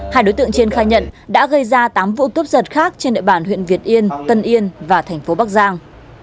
hai đối tượng trên khai nhận đã gây ra tám vụ cướp giật khác trên địa bàn huyện việt yên tân yên và thành phố bắc giang